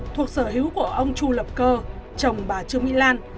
thuộc sở hữu của ông chu lập cơ chồng bà trương mỹ lan